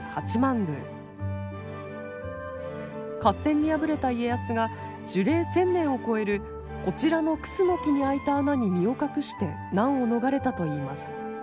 合戦に敗れた家康が樹齢１，０００年を超えるこちらの楠に開いた穴に身を隠して難を逃れたといいます。